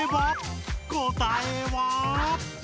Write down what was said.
答えは？